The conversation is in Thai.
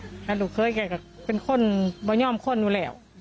อาหารลูกเค้ยแก่กับเป็นคนไม่ย่อมคนอยู่แล้ว